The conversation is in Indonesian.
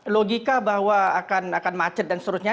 logika bahwa akan macet dan seterusnya